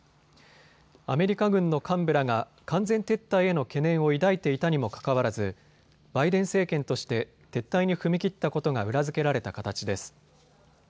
アメリカ軍の幹部らが完全撤退への懸念を抱いていたにもかかわらずバイデン政権として撤退に踏み切ったことが裏付けられた形です。